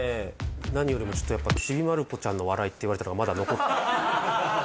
何よりもちょっとやっぱ『ちびまる子ちゃん』の笑いって言われたのがまだ残って。